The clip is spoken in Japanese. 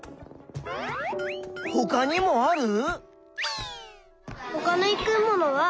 ほかにもある？